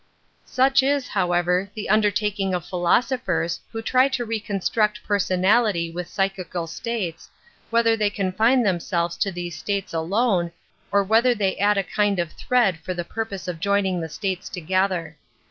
Such is, however, the undertaking of the / 30 An Introduction to philosophcre who Iry to reconstruct souality with psychical states, whether they confine themselves to those states alone, or whether they add a kind of thread for the purpose of joining the states together.